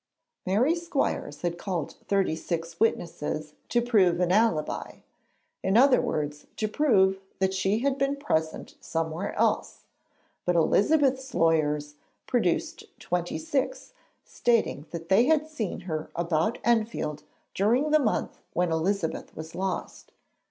Mary Squires had called thirty six witnesses to 'prove an alibi' in other words, to prove that she had been present somewhere else; but Elizabeth's lawyers produced twenty six, stating that they had seen her about Enfield during the month when Elizabeth was lost.